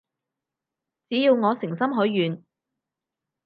只要我誠心許願